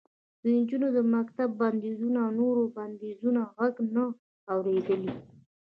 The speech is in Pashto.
د نجونو د مکتب د بندېدو او نورو بندیزونو غږ نه و اورېدلی